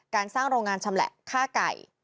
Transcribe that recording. การสร้างโรงงานชำแหละค่าไก่